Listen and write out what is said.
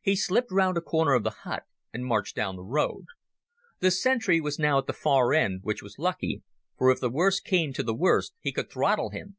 He slipped round a corner of the hut and marched down the road. The sentry was now at the far end, which was lucky, for if the worst came to the worst he could throttle him.